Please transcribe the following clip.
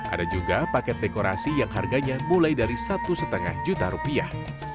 ada juga paket dekorasi yang harganya mulai dari satu lima juta rupiah